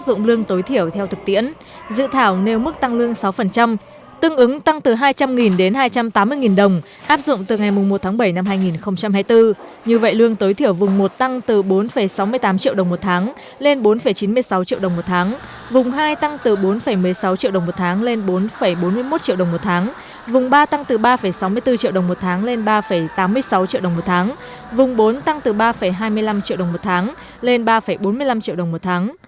vùng hai tăng từ bốn một mươi sáu triệu đồng một tháng lên bốn bốn mươi một triệu đồng một tháng vùng ba tăng từ ba sáu mươi bốn triệu đồng một tháng lên ba tám mươi sáu triệu đồng một tháng vùng bốn tăng từ ba hai mươi năm triệu đồng một tháng lên ba bốn mươi năm triệu đồng một tháng